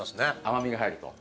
甘味が入ると。